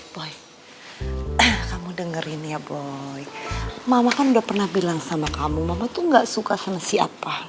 boy kamu dengerin ya boy mama kan udah pernah bilang sama kamu mama tuh gak suka sama siapa